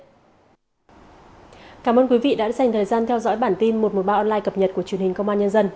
chúng tôi sẽ dành thời gian theo dõi bản tin một trăm một mươi ba online cập nhật của truyền hình công an nhân dân